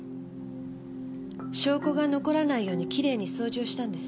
証拠が残らないようにきれいに掃除をしたんです。